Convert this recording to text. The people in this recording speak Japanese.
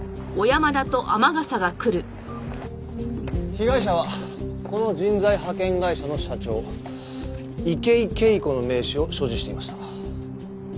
被害者はこの人材派遣会社の社長池井景子の名刺を所持していました。